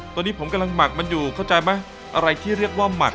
ตอนนี้ผมกำลังหมักมันอยู่เข้าใจไหมอะไรที่เรียกว่าหมัก